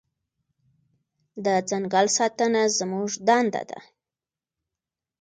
د ځنګل ساتنه زموږ دنده ده.